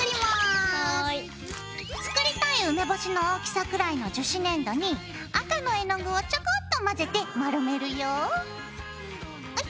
作りたい梅干しの大きさくらいの樹脂粘土に赤の絵の具をちょこっと混ぜて丸めるよ。ＯＫ。